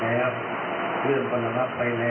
ซึ่งเรื่องในที่วุคคลัยพระพ่อนั้นก็ผ่านมา๑๗๑๘ปีแล้ว